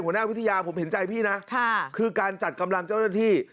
หัวหน้าวิทยาผมเห็นใจพี่นะคือการจัดกำลังเจ้าหน้าที่